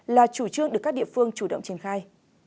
là chủ trương được các địa phương chủ động triển khai